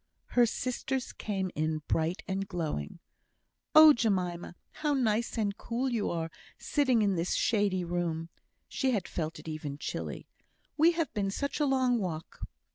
Her sisters came in bright and glowing. "Oh, Jemima, how nice and cool you are, sitting in this shady room!" (She had felt it even chilly.) "We have been such a long walk!